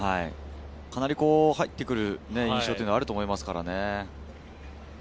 かなり入ってくる印象はあると思いますからね。